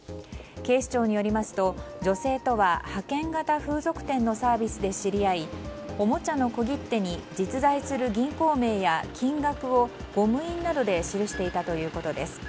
警視庁によりますと女性とは派遣型風俗店のサービスで知り合いおもちゃの小切手に実在する銀行名や金額をゴム印などで記していたということです。